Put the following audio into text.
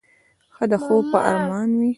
ښه د خوب په ارمان وې.